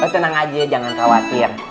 tenang aja jangan khawatir